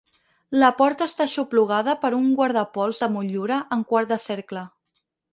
La porta està aixoplugada per un guardapols de motllura en quart de cercle.